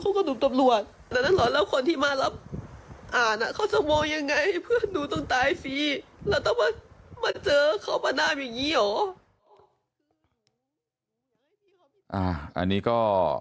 อันนี้ก็